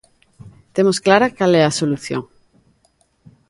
Temos clara cal é a solución.